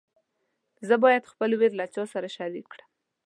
زه باید خپل ویر له چا سره شریک کړم.